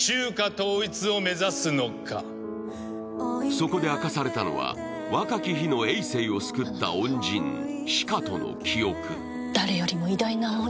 そこで明かされたのは、若き日のえい政を救った恩人・紫夏との記憶。